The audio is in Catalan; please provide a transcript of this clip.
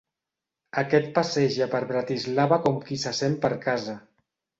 Aquest passeja per Bratislava com qui se sent per casa.